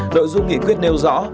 đội dung nghị quyết nêu rõ